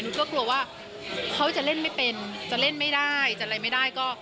ก็กลัวว่าเขาจะเล่นไม่เป็นจะเล่นไม่ได้จะอะไรไม่ได้ก็